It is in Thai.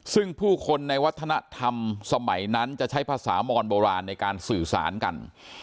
ซึ่งผู้คนในวัฒนธรรมสมัยนั้นจะใช้ภาษามอนโบราณในการสื่อสารกัน